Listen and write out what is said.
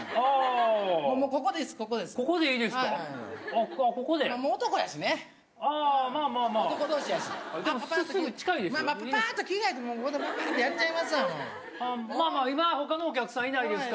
ここでいいです。